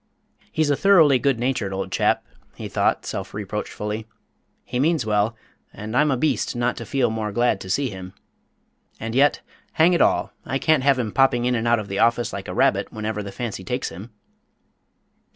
"He's a thoroughly good natured old chap," he thought, self reproachfully. "He means well, and I'm a beast not to feel more glad to see him. And yet, hang it all! I can't have him popping in and out of the office like a rabbit whenever the fancy takes him!"